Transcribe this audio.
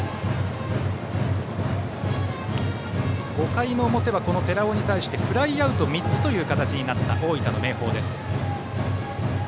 ５回の表は寺尾に対してフライアウト３つの形になった大分の明豊です。